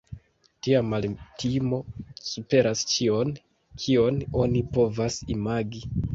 Tia maltimo superas ĉion, kion oni povas imagi.